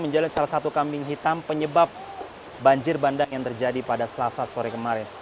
menjalin salah satu kambing hitam penyebab banjir bandang yang terjadi pada selasa sore kemarin